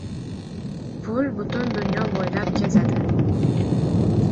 • Pul butun dunyo bo‘ylab kezadi.